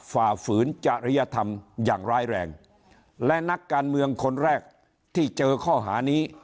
ฝ่าฝืนจริยธรรมอย่างร้ายแรงและนักการเมืองคนแรกที่เจอข้อหานี้